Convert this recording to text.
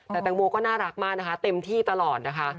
แต่แตงโมก็น่ารักมากนะคะเต็มที่ตลอดนะคะ